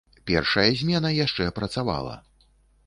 Першая змена яшчэ працавала.